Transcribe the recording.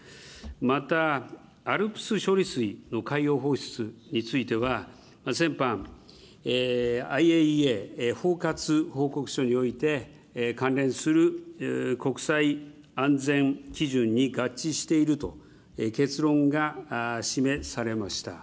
また、ＡＬＰＳ処理水の海洋放出については、先般、ＩＡＥＡ包括報告書において関連する国際安全基準に合致していると結論が示されました。